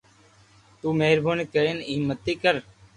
تو مھربوني ڪرن ايم متي ڪر